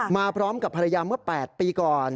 มาพร้อมกับภรรยาเมื่อ๘ปีก่อน